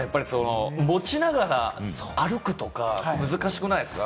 持ちながら歩くとか難しくないですか？